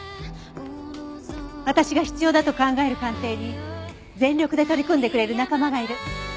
私が必要だと考える鑑定に全力で取り組んでくれる仲間がいる。